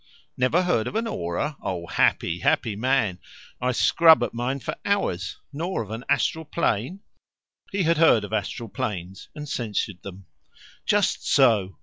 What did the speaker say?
"Never heard of an aura? Oh, happy, happy man! I scrub at mine for hours. Nor of an astral plane?" He had heard of astral planes, and censured them. "Just so.